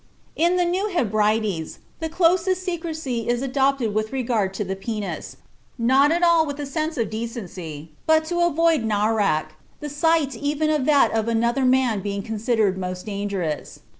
In the New Hebrides "the closest secrecy is adopted with regard to the penis, not at all from a sense of decency, but to avoid Narak, the sight even of that of another man being considered most dangerous.